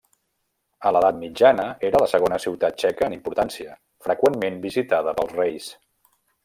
En l'edat mitjana, era la segona ciutat txeca en importància, freqüentment visitada pels reis.